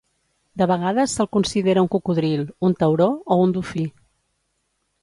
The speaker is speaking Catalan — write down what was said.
De vegades se'l considera un cocodril, un tauró o un dofí.